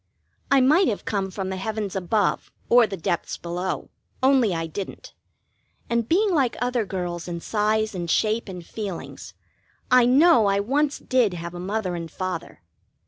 I might have come from the heavens above or the depths below, only I didn't, and being like other girls in size and shape and feelings, I know I once did have a Mother and Father.